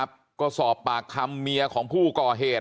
บอกแล้วบอกแล้วบอกแล้ว